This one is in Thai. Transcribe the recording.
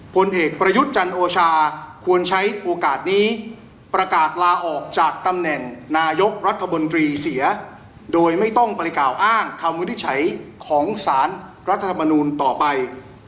ผลเอกประยุทธ์จันโอชาควรใช้โอกาสนี้ประกาศลาออกจากตำแหน่งนายกรัฐมนตรีเสียโดยไม่ต้องไปกล่าวอ้างคำวินิจฉัยของสารรัฐธรรมนูลต่อไป